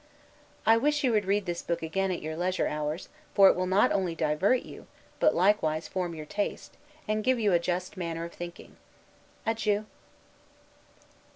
I wish you would read this book again at your leisure hours, for it will not only divert you, but likewise form your taste, and give you a just manner of thinking. Adieu!